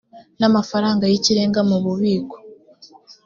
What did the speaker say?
n amafaranga y ikirenga mu bubiko